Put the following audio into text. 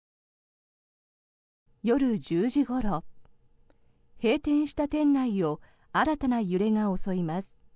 夜１０時ごろ、閉店した店内を新たな揺れが襲います。